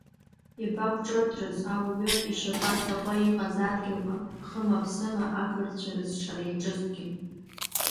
Иабақәҿырҭрыз, ауаҩы ишьапы ахьакуа иҟаз адгьылқәа хыма-ԥсыма ақырҭцәа рызшара иаҿызҭгьы.